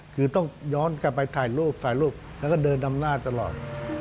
คือต้องย้อนกลับไปถ่ายรูปแล้วก็เดินอำนาจตลอด